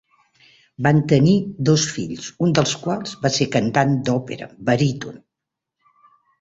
Van tenir dos fills, un dels quals va ser cantant d'òpera baríton.